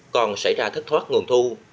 còn xảy ra thất thoát nguồn thu